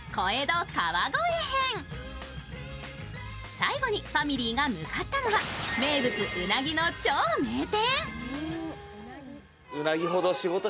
最後にファミリーが向かったのは、名物うなぎの超名店。